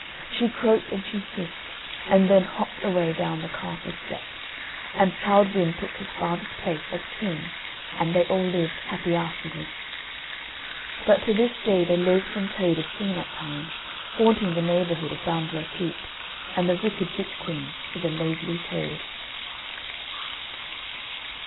She croaked and she hissed, and then hopped away down the castle steps, and Childe Wynd took his father's place as king, and they all lived happy afterwards. But to this day, the loathsome toad is seen at times, haunting the neighbourhood of Bamborough Keep, and the wicked witch queen is a Laidly Toad.